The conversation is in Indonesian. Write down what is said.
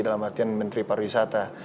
dalam artian menteri pariwisata